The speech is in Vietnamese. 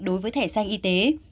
đối với thẻ sang y tế